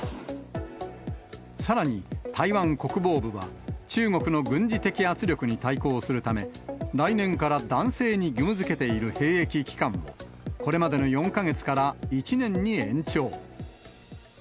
さらに、台湾国防部は、中国の軍事的圧力に対抗するため、来年から男性に義務づけている兵役期間を、これまでの４か月から１年に延長。